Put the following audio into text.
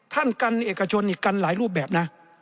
ท่านกันเอกชนอีกกันหลายรูปแบบนะ